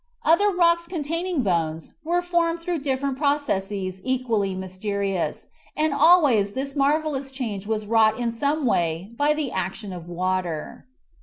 Other rocks con taining bones were formed through different pro cesses equally mysterious, and always this marvelous change was wrought in some way by the action of water.